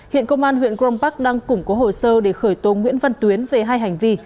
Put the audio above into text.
hiện công an huyện grom park đang củng cố hồ sơ để khởi tố nguyễn văn tuyến về hai hành vi